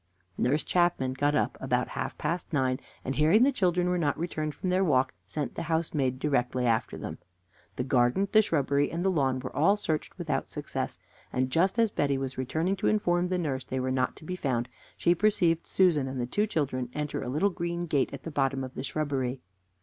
Nurse Chapman got up about half past nine, and, hearing the children were not returned from their walk, sent the housemaid directly after them. The garden, the shrubbery, and the lawn were all searched without success; and just as Betty was returning to inform the nurse they were not to be found, she perceived Susan and the two children enter a little green gate at the bottom of the shrubbery.